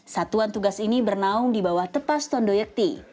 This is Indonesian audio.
satuan tugas ini bernaung di bawah tepas tondo yeti